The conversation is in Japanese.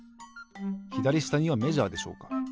ひだりしたにはメジャーでしょうか？